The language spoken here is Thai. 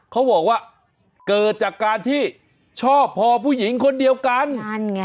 เขาบอกว่าเกิดจากการที่ชอบพอผู้หญิงคนเดียวกันนั่นไง